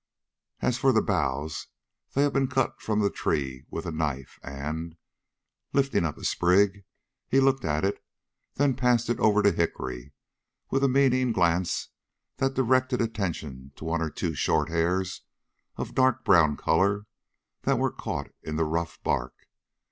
"As for the boughs, they have been cut from the tree with a knife, and " Lifting up a sprig, he looked at it, then passed it over to Hickory, with a meaning glance that directed attention to one or two short hairs of a dark brown color, that were caught in the rough bark.